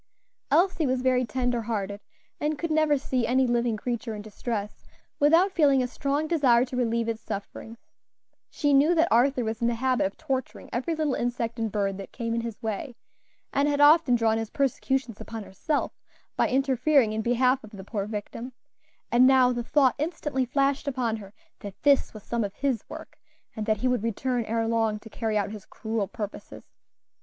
Elsie was very tender hearted, and could never see any living creature in distress without feeling a strong desire to relieve its sufferings. She knew that Arthur was in the habit of torturing every little insect and bird that came in his way, and had often drawn his persecutions upon herself by interfering in behalf of the poor victim; and now the thought instantly flashed upon her that this was some of his work, and that he would return ere long to carry out his cruel purposes.